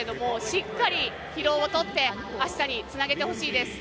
しっかり疲労をとって、明日につなげてほしいです。